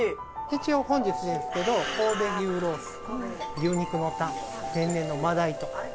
一応本日ですけど神戸牛ロース牛肉のタン天然の真鯛とはい。